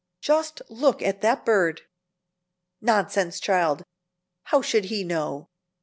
Just look at that bird!" "Nonsense, child! How should he know?"